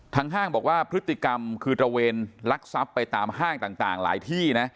ห้างบอกว่าพฤติกรรมคือตระเวนลักทรัพย์ไปตามห้างต่างหลายที่นะ